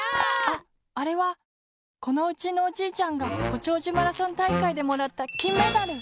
ああれはこのうちのおじいちゃんがごちょうじゅマラソンたいかいでもらったきんメダル！